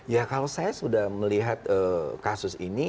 ya kalau saya sudah melihat kasus ini